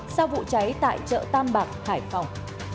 sau vụ cháy tại chợ tam bạc hải phòng